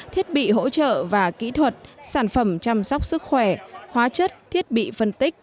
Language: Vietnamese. thiết bị hỗ trợ và kỹ thuật sản phẩm chăm sóc sức khỏe hóa chất thiết bị phân tích